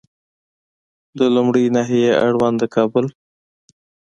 د لومړۍ ناحیې اړوند د کابل